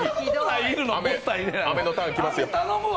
アメのターンきますよ。